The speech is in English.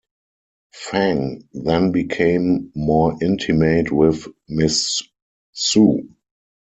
Fang then became more intimate with Miss Su.